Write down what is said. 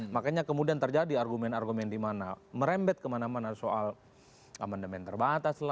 makanya kemudian terjadi argumen argumen di mana merembet kemana mana soal amandemen terbatas